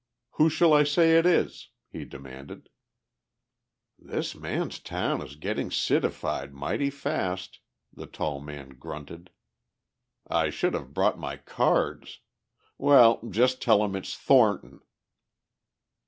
"Who shall I say it is?" he demanded. "This man's town is getting citified mighty fast," the tall man grunted. "I should have brought my cards! Well, just tell him it's Thornton."